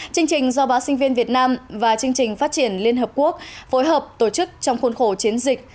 chương trình do báo sinh viên việt nam và chương trình phát triển liên hợp quốc phối hợp tổ chức trong khuôn khổ chiến dịch